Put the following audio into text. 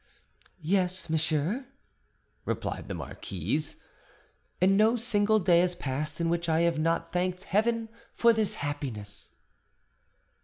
"Yes, monsieur," replied the marquise, "and no single day has passed in which I have not thanked Heaven for this happiness."